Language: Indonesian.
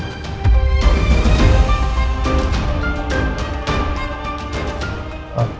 kami butuh ketemu sama istri saya